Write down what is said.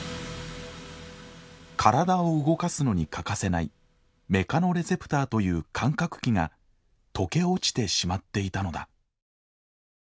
体を動かすのに欠かせないメカノレセプターという感覚器が溶け落ちてしまっていたのだ。